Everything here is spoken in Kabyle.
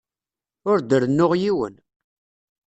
Ur d-rennuɣ yiwen.